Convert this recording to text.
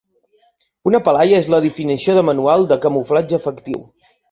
Una palaia és la definició de manual de camuflatge efectiu.